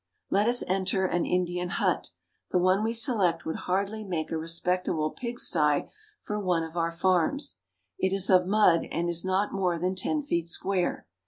Let us enter an Indian hut. The one we select would hardly make a respectable pigsty for one of our farms. It is of mud, and is not more than ten feet square.